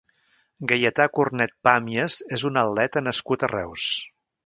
Gaietà Cornet Pàmies és un atleta nascut a Reus.